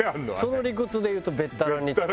その理屈で言うとべったらに。